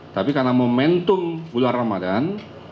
tapi karena momentum bulan ramadan